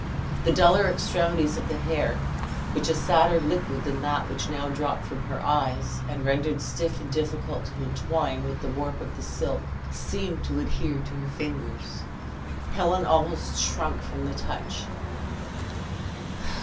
The duller extremities of the hair, which a sadder liquid than that which now dropped from her eyes and rendered stiff and difficult to entwine with the warp of the silk, seemed to adhere to her fingers. Helen almost shrunk from the touch.